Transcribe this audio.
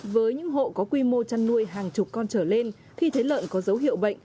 với những hộ có quy mô chăn nuôi hàng chục con trở lên khi thấy lợn có dấu hiệu bệnh